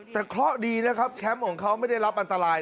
แต่เคราะห์ดีนะครับแคมป์ของเขาไม่ได้รับอันตราย